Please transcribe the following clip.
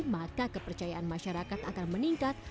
maka kepercayaan masyarakat akan meningkat